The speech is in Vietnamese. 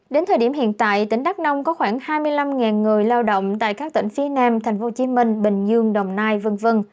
đến thời điểm hiện tại tỉnh đắk nông có khoảng hai mươi năm người lao động tại các tỉnh phía nam tp hcm bình dương đồng nai v v